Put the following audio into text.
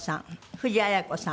藤あや子さん